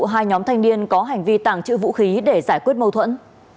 hai nhóm thanh niên có hành vi tàng trữ vũ khí để giải quyết mâu thuẫn